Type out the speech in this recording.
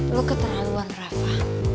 lo keterlaluan reva